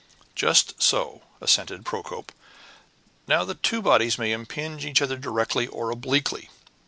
"Just so," assented Procope. "Now, the two bodies may impinge either directly or obliquely.